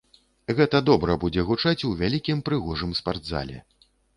Гэта добра будзе гучаць у вялікім прыгожым спартзале.